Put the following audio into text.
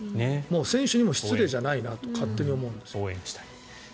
選手にも失礼じゃないなと勝手に思っている。